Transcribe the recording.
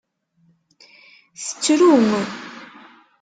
Tettru.